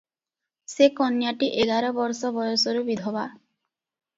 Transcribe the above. ସେ କନ୍ୟାଟି ଏଗାର ବର୍ଷ ବୟସରୁ ବିଧବା ।